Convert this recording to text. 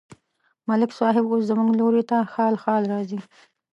ملک صاحب اوس زموږ لوري ته خال خال راځي.